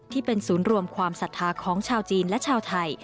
ที่เป็นศูนย์รวมความศรัทธาของชาวจีนและชาวไทย